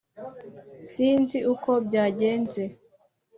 sinzi uko byagenze.